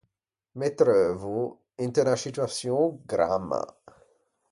Me treuvo inte unna scituaçion gramma.